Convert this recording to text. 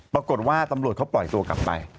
ปรากฏว่าตำรวจเขาปล่อยตัวกลับไป